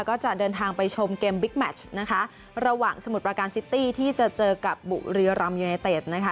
ก็จะเดินทางไปชมเกมบิ๊กแมชนะคะระหว่างสมุทรประการซิตี้ที่จะเจอกับบุรีรำยูไนเต็ดนะคะ